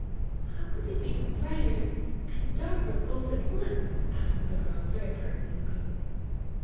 "How could they be brighter and darker both at once?" asked the girl, very pertinently.